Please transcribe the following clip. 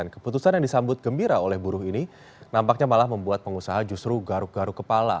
keputusan yang disambut gembira oleh buruh ini nampaknya malah membuat pengusaha justru garuk garuk kepala